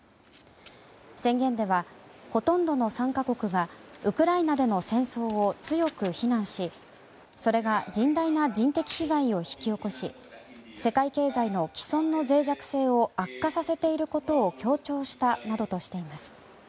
宣言では、ほとんどの参加国がウクライナでの戦争を強く非難しそれが甚大な人的被害を引き起こし世界経済の既存の脆弱性を悪化させていることを強調したなどとしています。